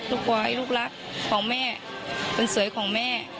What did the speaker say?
ลูกวอยลูกรักของแม่เป็นสวยของแม่